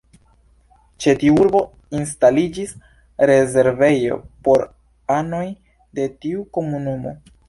Ĉe tiu urbo instaliĝis rezervejo por anoj de tiu komunumo.